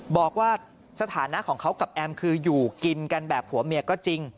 บอกว่าสถานะของเขากับแอมคืออยู่กินกันแบบผัวเมียก็จริง